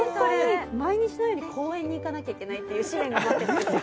毎日のように公園に行かなきゃいけないっていう試練が待ってるんですよ